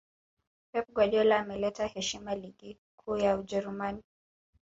pep guardiola ameleta heshima ligi kuu ya ujerumani